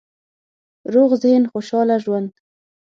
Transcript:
روغ ذهن، خوشحاله ژوند